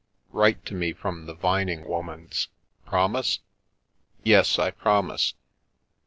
Write to me from the Vining woman's. Promise ?" "Yes, I promise.